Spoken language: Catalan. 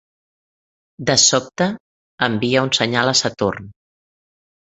De sobte, envia un senyal a Saturn.